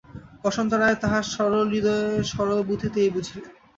বসন্ত রায় তাঁহার সরল হৃদয়ে সরল বুদ্ধিতে এই বুঝিলেন।